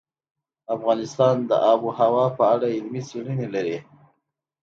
افغانستان د آب وهوا په اړه علمي څېړنې لري.